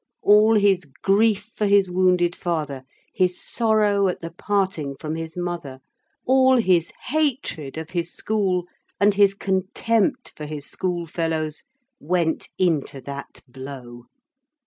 All his grief for his wounded father, his sorrow at the parting from his mother, all his hatred of his school, and his contempt for his schoolfellows went into that blow.